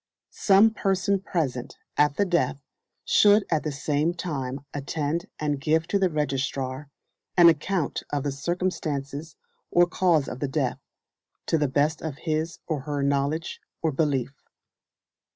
Some person present at the death should at the same time attend and give to the registrar an account of the circumstances or cause of the death, to the best of his or her knowledge or belief.